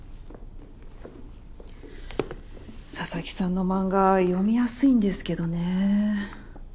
佐々木さんの漫画読みやすいんですけどね。